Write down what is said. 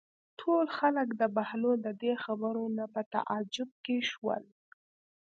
ټول خلک د بهلول د دې خبرو نه په تعجب کې شول.